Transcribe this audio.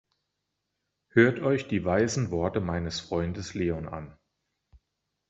Hört euch die weisen Worte meines Freundes Leon an!